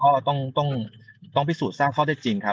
เราก็ต้ององค์พิสูจน์สร้างข้อได้จริง